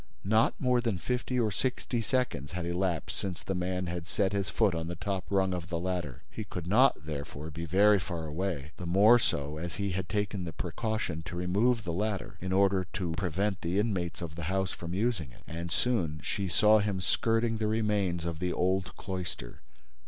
Not more than fifty or sixty seconds had elapsed since the man had set his foot on the top rung of the ladder. He could not, therefore, be very far away, the more so as he had taken the precaution to remove the ladder, in order to prevent the inmates of the house from using it. And soon she saw him skirting the remains of the old cloister.